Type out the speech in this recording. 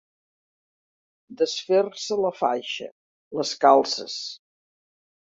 Desfer-se la faixa, les calces.